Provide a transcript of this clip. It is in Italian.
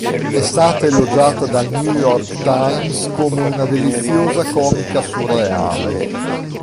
È stata elogiata dal "New York Times" come una "deliziosa comica surreale".